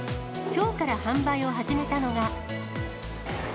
きょうから販売を始めたのが。